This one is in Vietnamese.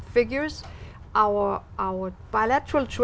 khu vực việt nam